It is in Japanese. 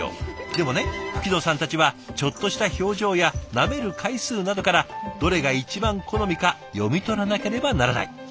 でもね吹野さんたちはちょっとした表情やなめる回数などからどれが一番好みか読み取らなければならない。